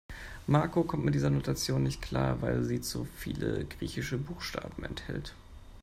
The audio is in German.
Marco kommt mit dieser Notation nicht klar, weil sie so viele griechische Buchstaben enthält.